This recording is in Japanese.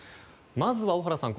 まずは、小原さん